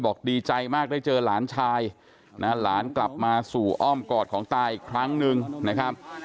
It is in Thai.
ดีใจมากได้เจอหลานชายนะหลานกลับมาสู่อ้อมกอดของตาอีกครั้งหนึ่งนะครับ